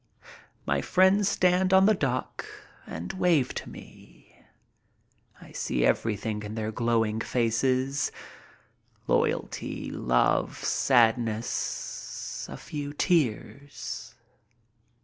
My friends stand on the dock and wave to me. I see everything in their glowing faces — loyalty, love, sadness, a few tears.